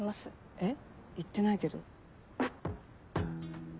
えっ言ってないけど。